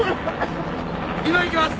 今行きます！